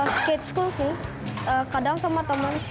skate school sih kadang sama teman